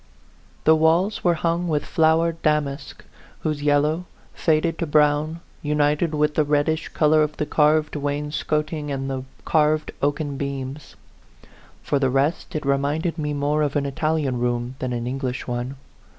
The walls were hung with flowered damask, whose yel low, faded to brown, united with the reddish color of the carved wainscoting and the carved oaken beams. For the rest, it re minded me more of an Italian room than an English one.